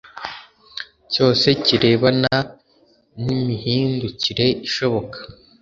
cyose kirebana n imuhindukire ishoboka